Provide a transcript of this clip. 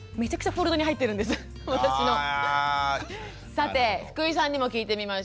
さて福井さんにも聞いてみましょう。